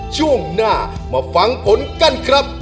ช่วงหน้ามาฟังผลกันครับ